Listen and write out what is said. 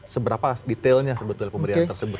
seberapa detailnya sebetulnya pemberian tersebut